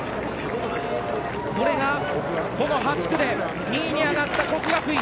これがこの８区で２位に上がった國學院。